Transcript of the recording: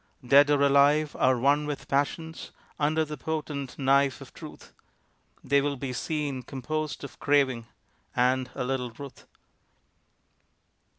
Dead or alive are one with passions, Under the potent knife of Truth They will be seen composed of craving And a little ruth.